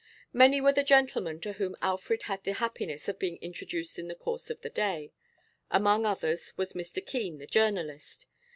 Many were the gentlemen to whom Alfred had the happiness of being introduced in the course of the day. Among others was Mr. Keene the journalist.